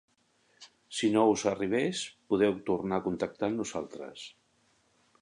Si no us arribés, podeu tornar a contactar amb nosaltres.